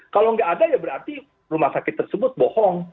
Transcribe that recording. kalau nggak ada ya berarti rumah sakit tersebut bohong